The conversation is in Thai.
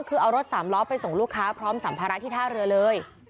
คือเอารถสามล้อไปส่งลูกค้าพร้อมสัมภาระที่ท่าเรือเลย